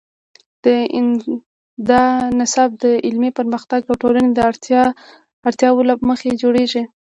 دا نصاب د علمي پرمختګ او ټولنې د اړتیاوو له مخې جوړیږي.